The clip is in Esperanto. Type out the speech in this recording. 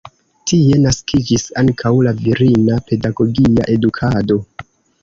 Tie naskiĝis ankaŭ la virina pedagogia edukado.